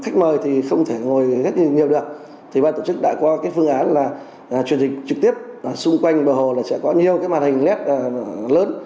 chuyển dịch trực tiếp xung quanh bờ hồ là sẽ có nhiều cái màn hình lét lớn